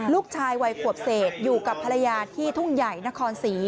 ลูกชายวัยขวบเศษอยู่กับภรรยาที่ทุ่งใหญ่นครศรี